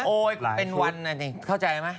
โอ้ยเป็นวันนะนี่เข้าใจไหม